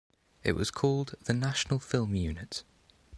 It was called the National Film Unit.